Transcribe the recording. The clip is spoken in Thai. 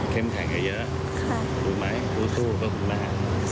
ก็ไม่เท่าไหร่ค่ะเขาก็เคยดีกับหนูอยู่ไม่อะไรมาก